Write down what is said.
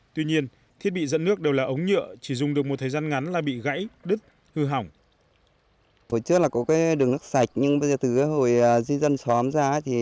tuy nhiên thiết bị dẫn nước đều là ống nhựa chỉ dùng được một thời gian ngắn là bị gãy đứt hư hỏng